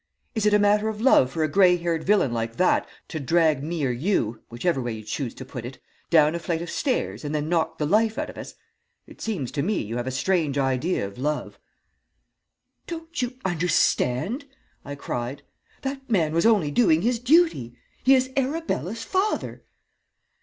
Is it a matter of love for a grey haired villain like that to drag me or you, whichever way you choose to put it, down a flight of stairs and then knock the life out of us? It seems to me, you have a strange idea of love.' "'Don't you understand!' I cried. 'That man was only doing his duty. He is Arabella's father!'